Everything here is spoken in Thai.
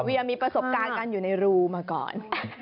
เวียมีประสบการณ์การอยู่ในรูมาก่อน